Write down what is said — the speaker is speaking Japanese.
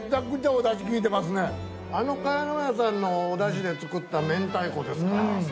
あの茅乃舎さんのおだしで作った明太子ですから。